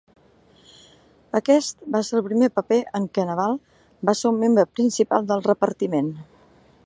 Aquest va ser el primer paper en què Neval va ser un membre principal del repartiment.